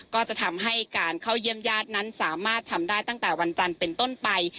ก็จะทำให้การเข้าเยี่ยมญาตินั้นสามารถทำได้ตั้งแต่วันจันทร์เป็นต้นไป